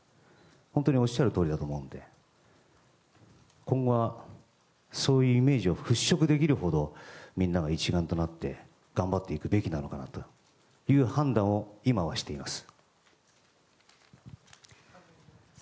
本当におっしゃるとおりだと思うので今後は、そういうイメージを払拭できるほどみんなが一丸となって頑張っていくべきなのかなという判断を、今はしています。